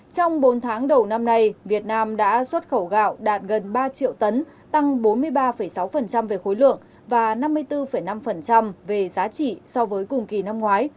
trong bốn tháng đầu năm nay việt nam đã xuất khẩu gạo đạt gần ba triệu tấn tăng bốn mươi ba sáu về khối lượng và năm mươi bốn năm về giá trị so với cùng kỳ năm ngoái